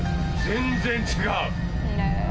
全然違う。